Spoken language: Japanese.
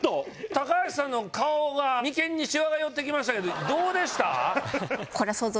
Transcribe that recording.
橋さんの顔が眉間にシワが寄ってきましたけどどうでした？